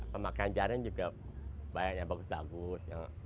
pemakaian jaring juga bayarnya bagus bagus